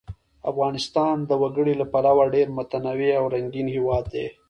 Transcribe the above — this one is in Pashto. افغانستان د وګړي له پلوه یو ډېر متنوع او رنګین هېواد دی.